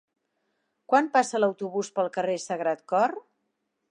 Quan passa l'autobús pel carrer Sagrat Cor?